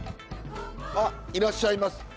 あいらっしゃいます。